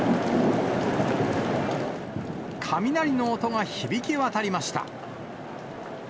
雷の音が響き渡りました。